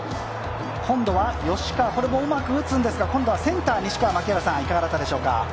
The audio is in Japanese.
今度は吉川、うまく打つんですが、今度はセンター、西川、槙原さん、いかがだったでしょうか。